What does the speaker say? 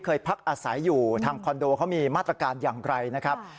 พักอาศัยอยู่ทางคอนโดเขามีมาตรการอย่างไรนะครับ